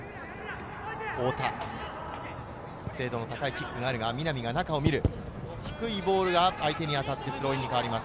太田、精度の高いキックがあるが、低いボールが相手に当たってスローインに変わります。